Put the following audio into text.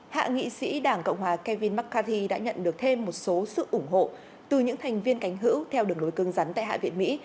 hạ nghị sĩ đảng cộng hòa kevin mccarthy đã nhận được thêm một số sự ủng hộ từ những thành viên cánh hữu theo đường lối cưng rắn tại hạ viện mỹ